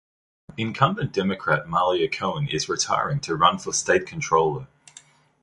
Incumbent Democrat Malia Cohen is retiring to run for state controller.